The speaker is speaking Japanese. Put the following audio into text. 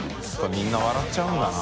みんな笑っちゃうんだな。